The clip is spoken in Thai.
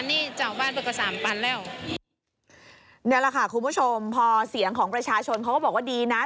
นี่แหละค่ะคุณผู้ชมพอเสียงของประชาชนเขาก็บอกว่าดีนะ